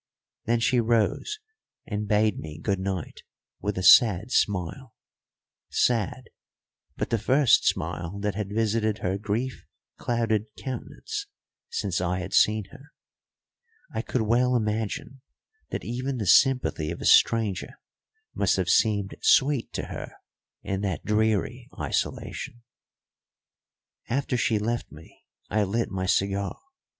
Then she rose and bade me good night with a sad smile sad, but the first smile that had visited her grief clouded countenance since I had seen her. I could well imagine that even the sympathy of a stranger must have seemed sweet to her in that dreary isolation. After she left me I lit my cigar.